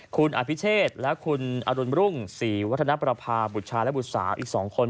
คุณอภิเชษและคุณอรุณรุ่งศรีวัฒนประพาบุตรชายและบุตรสาวอีก๒คน